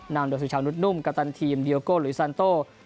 นำโดยฝึกชาวนุ่นนุ่มกับทางทีมดิโยโกหลุยสันโต